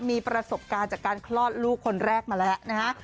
มีประสบการณ์จากการคลอดลูกคนแรกมาแล้วนะฮะ